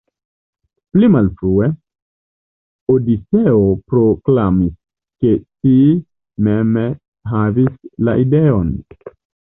Pli malfrue, Odiseo proklamis, ke si mem havis la ideon.